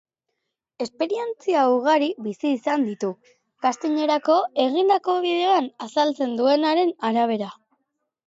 Esperientzia ugari bizi izan ditu, castingerako egindako bideoan azaltzen duenaren arabera.